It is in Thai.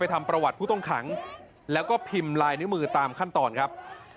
ทำประวัติผู้ต้องขังแล้วก็พิมพ์ลายนิ้วมือตามขั้นตอนครับ